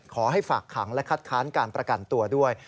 ขอให้ฝากค้างและคัดค้านการประกันตัวด้วย